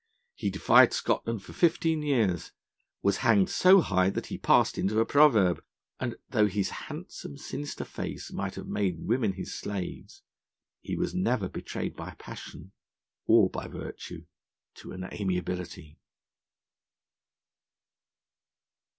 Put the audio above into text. He defied Scotland for fifteen years, was hanged so high that he passed into a proverb, and though his handsome, sinister face might have made women his slaves, he was never betrayed by passion (or by virtue) to an amiability.